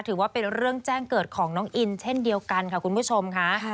ถือว่าเป็นเรื่องแจ้งเกิดของน้องอินเช่นเดียวกันค่ะคุณผู้ชมค่ะ